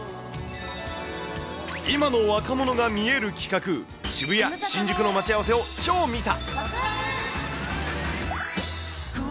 今の若者が見える企画、渋谷、新宿の待ち合わせを超見た！